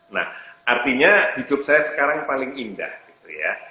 nah artinya hidup saya sekarang paling indah gitu ya